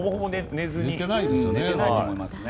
寝てないと思いますね。